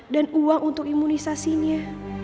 dan uang untuk imunisasinya